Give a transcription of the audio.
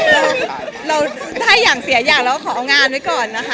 แล้วถ้าไม่ใหญ่อยากเราก็ของานไว้ก่อนนะคะ